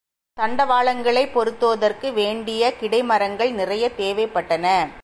தண்டவாளங்களைப் பொருத்துவதற்கு வேண்டிய கிடை மரங்கள் நிறையத் தேவைப்பட்டன.